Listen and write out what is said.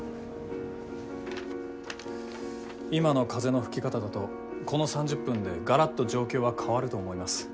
今の風の吹き方だとこの３０分でガラッと状況は変わると思います。